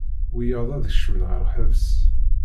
Wiyaḍ ad kecmen ɣer lḥebs.